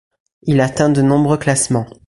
Il atteint de nombreux classements.